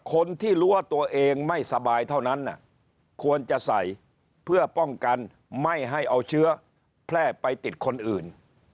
คนที่รู้ว่าตัวเองไม่สบายเท่านั้นควรจะใส่เพื่อป้องกันไม่ให้เอาเชื้อแพร่ไปติดคนอื่น